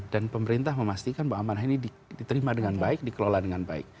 pemerintah memastikan bahwa amanah ini diterima dengan baik dikelola dengan baik